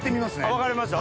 分かりました。